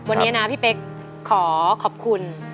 วันนี้นะพี่เป๊กขอขอบคุณ